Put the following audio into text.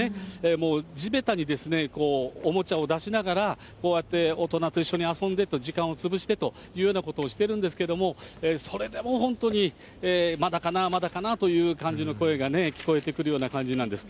もう地べたにですね、おもちゃを出しながら、こうやって大人と一緒に遊んで、時間を潰してというようなことをしてるんですけれども、それでも本当にまだかな、まだかなという感じの声がね、聞こえてくるような感じなんです。